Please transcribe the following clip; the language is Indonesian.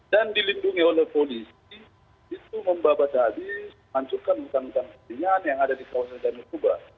dan dilindungi oleh polisi itu membabat habis hancurkan hutan hutan keminyan yang ada di kawasan danau tuba